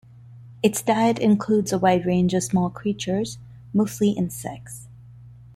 Its diet includes a wide range of small creatures, mostly insects.